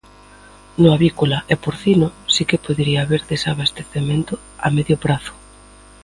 No avícola e porcino, si que podería haber desabastecemento a medio prazo.